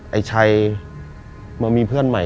ไอ้ชัยมามีเพื่อนใหม่